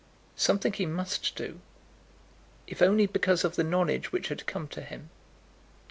Something he must do, if only because of the knowledge which had come to him.